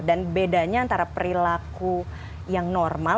dan bedanya antara perilaku yang normal